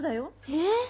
えっ！